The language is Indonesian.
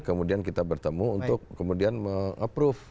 kemudian kita bertemu untuk kemudian meng approve